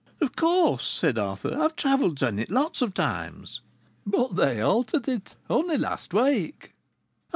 "Of course," said Arthur; "I've travelled by it lots of times." "But they altered it only last week."